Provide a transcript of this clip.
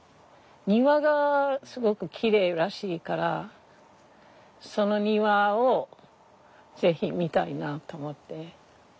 庭がすごくきれいらしいからその庭を是非見たいなと思って。